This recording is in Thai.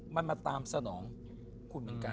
มันมาตามสนองคุณเหมือนกัน